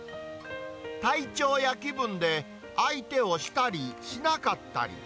体調や気分で、相手をしたり、しなかったり。